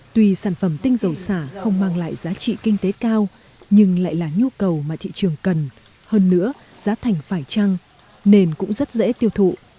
tuy sản phẩm tinh dầu xả không mang lại giá trị kinh tế cao nhưng lại là nhu cầu mà thị trường cần hơn nữa giá thành phải trăng nên cũng rất dễ tiêu thụ